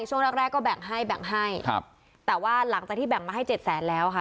ช่วงแรกแรกก็แบ่งให้แบ่งให้ครับแต่ว่าหลังจากที่แบ่งมาให้เจ็ดแสนแล้วค่ะ